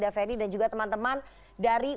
daveni dan juga teman teman dari